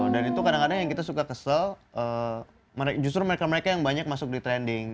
dan itu kadang kadang yang kita suka kesel justru mereka mereka yang banyak masuk di trending